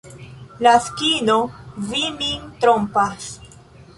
Laskino, vi min trompas.